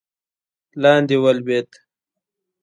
لاندې ولوېد.